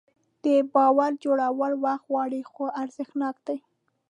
د باور جوړول وخت غواړي خو ارزښتناک دی.